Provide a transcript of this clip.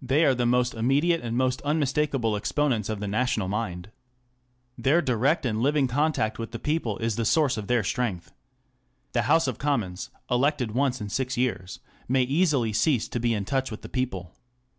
They are the most immediate and most unmistakable exponents of the national mind. Their direct and living contact with the people is the source of their strength. The House of Commons, elected once in six years, may easily cease to be in touch with the people.